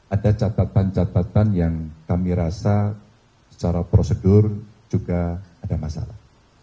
ada catatan catatan yang kami rasa secara prosedur juga ada masalah